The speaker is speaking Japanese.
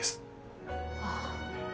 ああ。